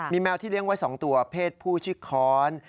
มีแมวที่เลี้ยงไว้๒ตัวเพศผู้ชื่อค้อน